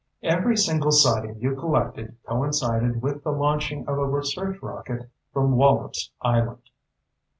"Every single sighting you collected coincided with the launching of a research rocket from Wallops Island!"